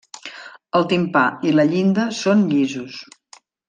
El timpà i la llinda són llisos.